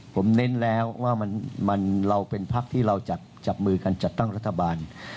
ผมเน้นแล้วว่าเราเป็นพักที่เราจับมือกันจัดตั้งรัฐบาล